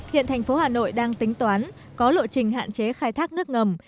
hiện thành phố hà nội đang tính toán có lộ trình hạn chế khai thác nước ngầm